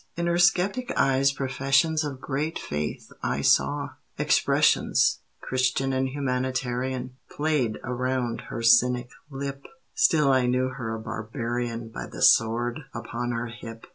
In her skeptic eyes professions Of great faith I saw; expressions, Christian and humanitarian, Played around her cynic lip; Still I knew her a barbarian By the sword upon her hip.